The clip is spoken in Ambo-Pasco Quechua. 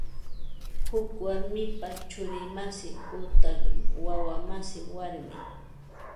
Huk warmipa churi masin utaq wawa masin warmi